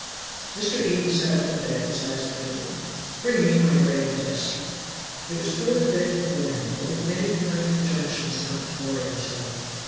Mr. Eden sat up in bed, his eye glittering. "Bring me my writing desk." It was put on the bed before him, but with many kind injunctions not to worry himself.